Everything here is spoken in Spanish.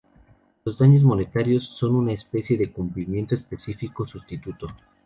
Los daños monetarios son una especie de "cumplimiento específico sustituto.